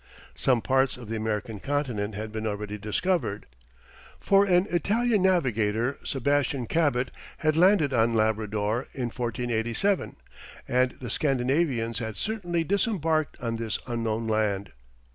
Some parts of the American continent had been already discovered, for an Italian navigator Sebastian Cabot had landed on Labrador in 1487, and the Scandinavians had certainly disembarked on this unknown land.